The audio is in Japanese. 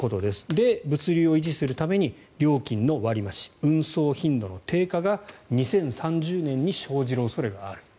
で、物流を維持するために料金の割り増し運送頻度の低下が２０３０年に生じる恐れがある。